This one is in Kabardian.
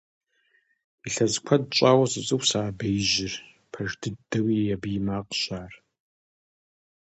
Илъэс куэд щӀауэ соцӀыху сэ а беижьыр, пэж дыдэуи абы и макъщ ар.